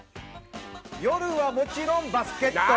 夜はもちろんバスケット！